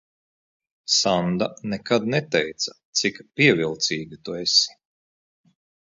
Sanda nekad neteica, cik pievilcīga tu esi.